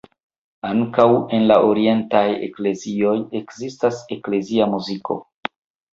Ankaŭ en la orientaj eklezioj ekzistas eklezia muziko.